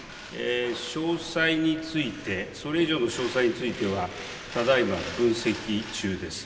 詳細について、それ以上の詳細については、ただいま分析中です。